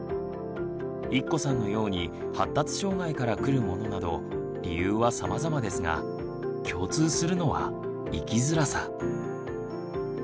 いっこさんのように発達障害からくるものなど理由はさまざまですが共通するのは「生きづらさ」。